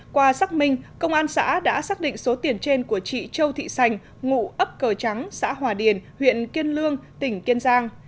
qua xác minh công an xã đã xác định số tiền trên của chị châu thị sành ngụ ấp cờ trắng xã hòa điền huyện kiên lương tỉnh kiên giang